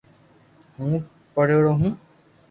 ھون پڙھيڙو ھون